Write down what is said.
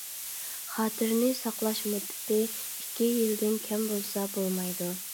خاتىرىنى ساقلاش مۇددىتى ئىككى يىلدىن كەم بولسا بولمايدۇ.